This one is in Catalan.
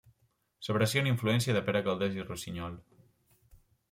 S'aprecia una influència de Pere Calders i Rossinyol.